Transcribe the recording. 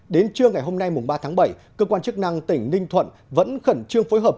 đến trưa ngày hôm nay ba tháng bảy cơ quan chức năng tỉnh ninh thuận vẫn khẩn trương phối hợp